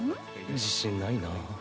自信ないな。